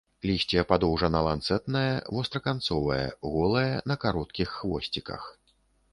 Лісце падоўжана-ланцэтнае, востраканцовае, голае, на кароткіх хвосціках.